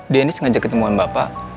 denis ngajak ketemuan bapak